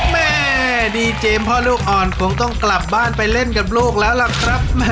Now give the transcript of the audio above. แม่ดีเจมส์พ่อลูกอ่อนคงต้องกลับบ้านไปเล่นกับลูกแล้วล่ะครับ